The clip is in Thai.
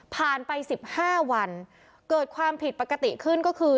ไป๑๕วันเกิดความผิดปกติขึ้นก็คือ